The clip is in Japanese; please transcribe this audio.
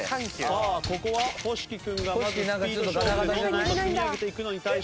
さあここは星輝君がまずスピード勝負でどんどんと積み上げていくのに対して。